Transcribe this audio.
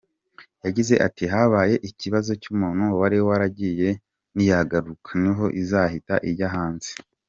Yagize ati “Habaye ikibazo cy’umuntu wari waragiye niyagaruka niho izahita ijya hanze”.